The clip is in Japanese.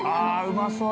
◆うまそう。